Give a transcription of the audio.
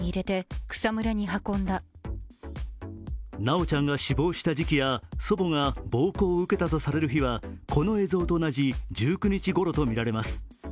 修ちゃんが死亡した時期や祖母が暴行を受けたとされる日はこの映像と同じ１９日ごろとみられます。